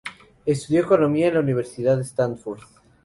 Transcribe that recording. Estudió economía en la Universidad Stanford.